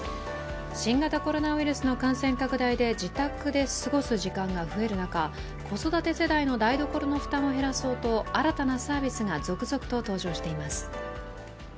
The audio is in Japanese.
新型コロナウイルスの感染拡大で自宅で過ごす時間が増える中子育て世代の台所の負担を減らそうと新たなサービスが続々と登場しています。